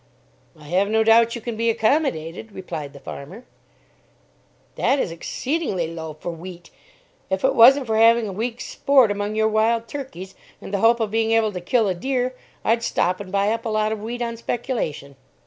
"I have no doubt you can be accommodated," replied the farmer. "That is exceedingly low for wheat. If it wasn't for having a week's sport among your wild turkeys, and the hope of being able to kill a deer, I'd stop and buy up a lot of wheat on speculation."